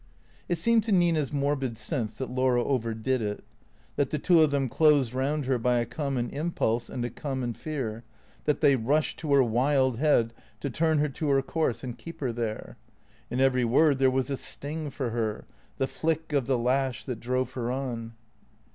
It seemed to Nina's morbid sense that Laura overdid it; that the two of them closed round her by a common impulse and a common fear, that they rushed to her wild head to turn her to her course and keep her there. In every word there was a sting for her, tbe flick of the lash that drove her on.